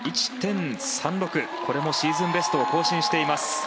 これもシーズンベストを更新しています。